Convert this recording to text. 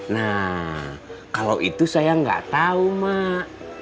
nah kalau itu saya nggak tahu mak